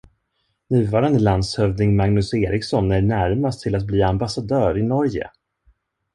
Nuvarande landshövding Magnus Eriksson är närmast till att bli ambassadör i Norge.